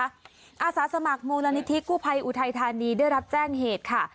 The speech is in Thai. อาสาสมัครมูลนิธิกู้ภัยอุทัยธานีได้รับแจ้งเหตุค่ะ